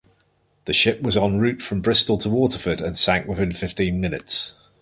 The ship was en route from Bristol to Waterford and sank within fifteen minutes.